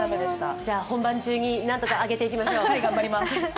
じゃあ本番中になんとか上げていきましょう。